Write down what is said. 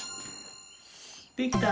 できた！